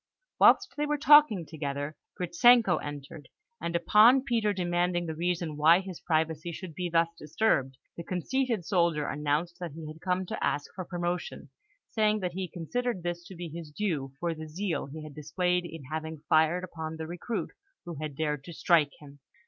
Whilst they were talking together, Gritzenko entered, and upon Peter demanding the reason why his privacy should be thus disturbed, the conceited soldier announced that he had come to ask for promotion, saying that he considered this to be his due for the zeal he had displayed in having fired upon the recruit who had dared to strike him.